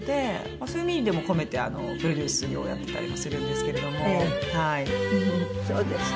そういう意味も込めてプロデュース業をやってたりもするんですけれども。